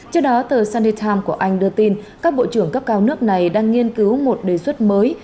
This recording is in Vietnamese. trước đó tờ sunny times của anh đưa tin các bộ trưởng cấp cao nước này đang nghiên cứu một đề xuất mới